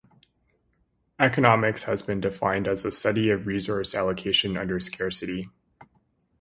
Economics has been defined as the study of resource allocation under scarcity.